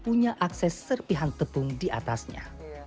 punya akses serpihan tepung di atasnya